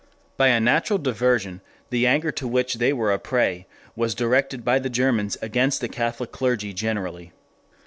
By a natural diversion the anger to which they were a prey was directed by the Germans _against the Catholic clergy generally.